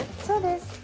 そうです。